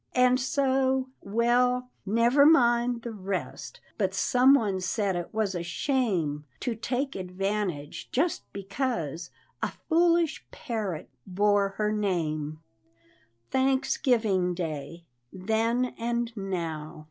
And so well, never mind the rest; But some one said it was a shame To take advantage just because A foolish parrot bore her name. Harper's Weekly. THANKSGIVING DAY (THEN AND NOW).